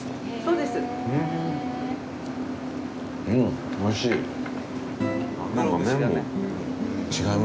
うん、おいしい！